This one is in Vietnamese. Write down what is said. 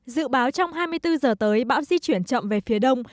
dự báo trong hai mươi bốn giờ tới bão di chuyển chậm về phía đông